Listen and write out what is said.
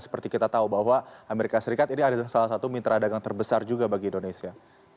seperti kita tahu bahwa amerika serikat ini adalah salah satu mitra dagang terbesar juga bagi indonesia